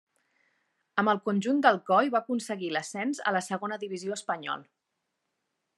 Amb el conjunt d'Alcoi va aconseguir l'ascens a la Segona Divisió Espanyol.